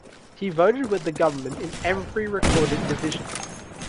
He voted with the Government in every recorded division.